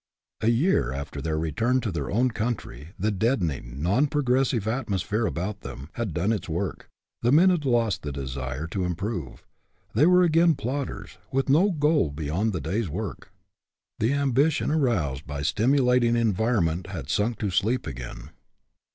A year after their return to their own country, the deadening, non progressive atmosphere about them had done its work. The men had lost the desire to improve; they were again plodders, with no goal beyond the day's work. The ambition aroused by stimulating environment had sunk to sleep again.